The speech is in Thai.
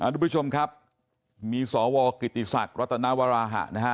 ทุกผู้ชมครับมีสวกิติศักดิ์รัตนวราหะนะฮะ